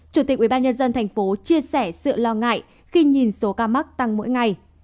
chủ tịch ubnd tp chia sẻ sự lo ngại khi nhìn số ca mắc tăng mỗi ngày